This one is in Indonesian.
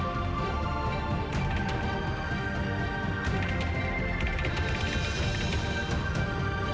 insya allah kita bisa undergraduate